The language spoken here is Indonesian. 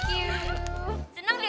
hmm terima kasih